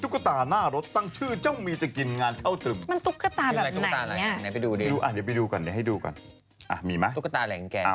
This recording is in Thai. แข็งแรงอยู่แล้ว